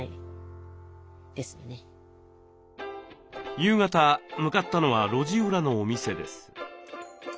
夕方向かったのは路地裏のお店です。